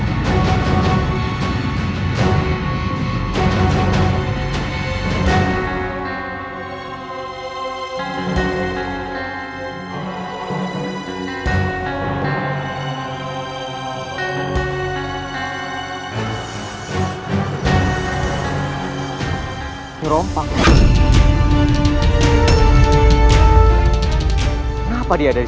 kenapa dia dari sini tampaknya ilmu kanuragan nya sudah meningkat bergantungan dengan kekuasaan